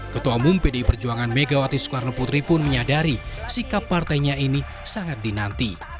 ketua mumpi di perjuangan megawati soekarnoputri pun menyadari sikap partainya ini sangat dinanti